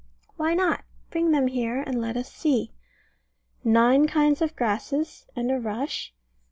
Why not? Bring them here, and let us see. Nine kinds of grasses, and a rush.